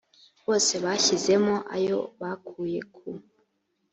bose bashyizemo ayo bakuye ku